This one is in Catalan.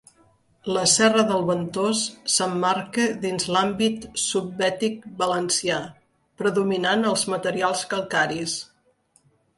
La serra del Ventós s'emmarca dins l'àmbit subbètic valencià, predominant els materials calcaris.